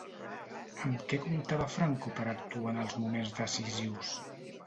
Amb què comptava Franco per actuar en els moments decisius?